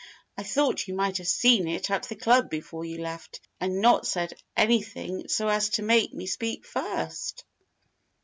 I thought you might have seen it at the club before you left, and not said anything so as to make me speak first."